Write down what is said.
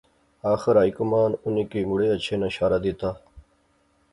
آخر ہائی کمان انیں کی مڑی اچھے ناں شارہ دتا